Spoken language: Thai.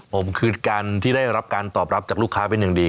ผมคือการที่ได้รับการตอบรับจากลูกค้าเป็นอย่างดี